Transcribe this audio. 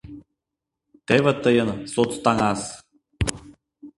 Теве тыйын соцтаҥас!